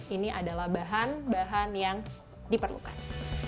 ini adalah bahan bahan yang diperlukan